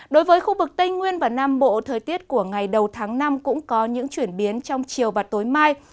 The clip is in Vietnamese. đối với khu vực tây nguyên và nam bộ thời tiết của ngày đầu tháng năm cũng có những chuyển biến trong chiều và tối mai